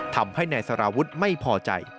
ทำให้นายสารวุฒิไม่พอใจ